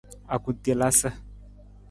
Akutelasa.